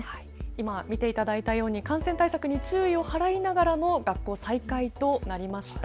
今、見ていただいたように感染対策に注意を払いながらの学校再開となりました。